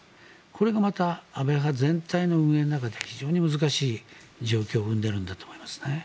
これがまた安倍派全体の運営の中で非常に難しい状況を生んでいるんだと思いますね。